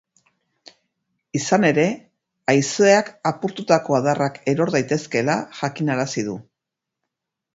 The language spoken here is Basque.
Izan ere, haizeak apurtutako adarrak eror daitezkeela jakinarazi du.